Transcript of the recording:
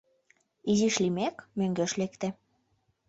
Изиш лиймек, мӧҥгеш лекте.